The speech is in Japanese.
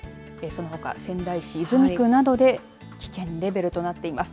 そのほか、仙台市泉区などで危険レベルとなっています。